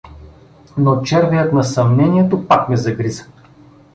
Но червеят на съмнението пак ме загриза.